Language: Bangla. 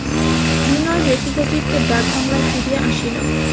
বিনয় ব্যথিত চিত্তে ডাকবাংলায় ফিরিয়া আসিল।